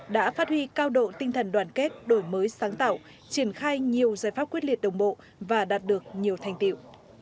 đã phát huy cao độ tinh thần đoàn kết đổi mới sáng tạo triển khai nhiều giải pháp quyết liệt đồng bộ và đạt được nhiều thành tiệu